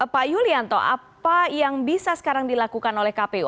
pak yulianto apa yang bisa sekarang dilakukan oleh kpu